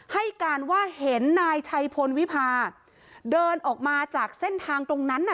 ให้การว่าเห็นนายชัยพลวิพาเดินออกมาจากเส้นทางตรงนั้นน่ะ